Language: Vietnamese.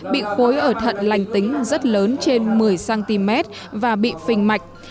bị khối ở thận lành tính rất lớn trên một mươi cm và bị phình mạch